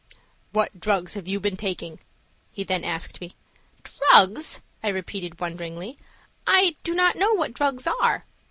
"What drugs have you been taking?" he then asked me. "Drugs!" I repeated, wonderingly. "I do not know what drugs are."